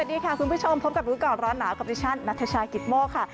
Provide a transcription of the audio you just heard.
สวัสดีค่ะคุณผู้ชมพบกับรู้ก่อนร้อนหนาวกับดิฉันนัทชายกิตโมกค่ะ